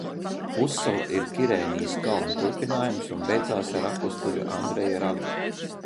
Pussala ir Kirēnijas kalnu turpinājums un beidzas ar Apustuļa Andreja ragu.